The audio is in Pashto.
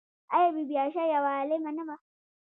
آیا بی بي عایشه یوه عالمه نه وه؟